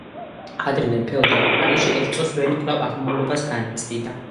ადრინდელ ფეოდალურ ხანაში ერწოს ველი კვლავ აღმავლობას განიცდიდა.